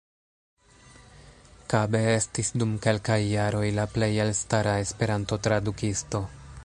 Kabe estis dum kelkaj jaroj la plej elstara Esperanto-tradukisto.